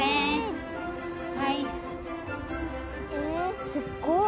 えすごい！